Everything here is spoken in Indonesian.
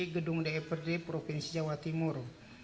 gedung dprd provinsi jawa timur